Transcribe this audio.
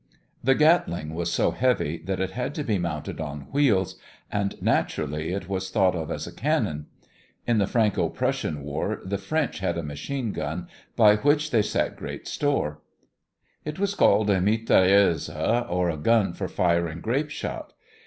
The Gatling was so heavy that it had to be mounted on wheels, and naturally it was thought of as a cannon. In the Franco Prussian War the French had a machine gun by which they set great store. It was called a mitrailleuse, or a gun for firing grape shot.